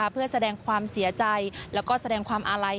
เพื่อแสดงความเสียใจแล้วก็แสดงความอาลัย